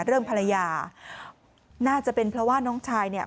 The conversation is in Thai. ภรรยาน่าจะเป็นเพราะว่าน้องชายเนี่ย